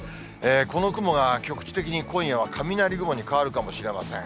この雲が局地的に今夜は雷雲に変わるかもしれません。